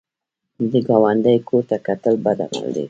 د ګاونډي کور ته کتل بد عمل دی